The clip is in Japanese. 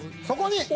「そこに」